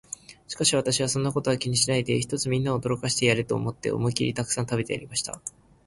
しかし私は、そんなことは気にしないで、ひとつみんなを驚かしてやれと思って、思いきりたくさん食べてやりました。